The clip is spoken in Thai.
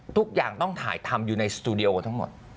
ทุกอย่างต้องถ่ายทำอยู่ในสตูดิโอทั้งหมด